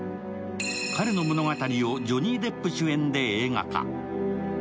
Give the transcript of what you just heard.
彼の物語をジョニー・デップ主演で映画化。